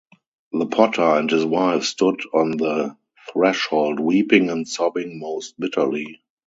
The potter and his wife stood on the threshold weeping and sobbing most bitterly.